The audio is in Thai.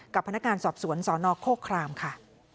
กับพนักงานสอบสวนสนโคครามค่ะ